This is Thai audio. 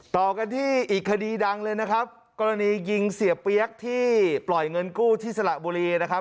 ต่อกันที่อีกคดีดังเลยนะครับกรณียิงเสียเปี๊ยกที่ปล่อยเงินกู้ที่สระบุรีนะครับ